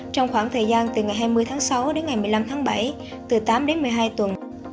trong khoảng thời gian từ ngày hai mươi tháng sáu đến ngày một mươi năm tháng bảy từ tám đến một mươi hai tuần